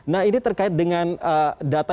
nah ini terkait dengan data